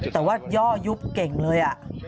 แต่ว่าย่อยุบเก่งเลย